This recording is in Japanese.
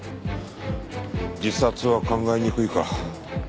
自殺は考えにくいか。